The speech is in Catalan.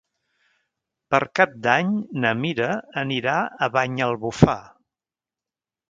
Per Cap d'Any na Mira anirà a Banyalbufar.